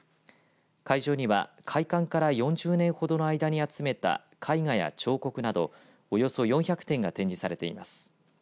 会場には開館から４０年ほどの間に集めた絵画や彫刻などおよそ４００点が展示されています。